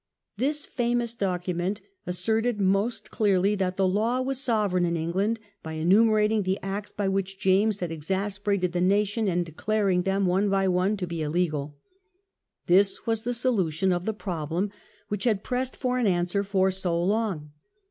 This famous document asserted most clearly that the law was sovereign in England by enumerating the acts by which James had exasperated the nation, and declaring them, one by one, to be illegal. This was the solution of the problem which had pressed for an answer for so long.